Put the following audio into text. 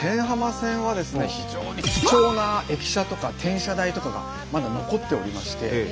非常に貴重な駅舎とか転車台とかがまだ残っておりまして